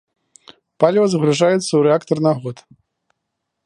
Паліва загружаецца ў рэактар на год.